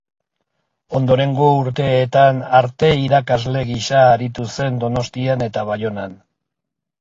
Ondorengo urteetan arte irakasle gisa aritu zen Donostian eta Baionan.